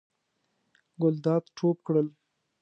ګلداد ټوپ کړل.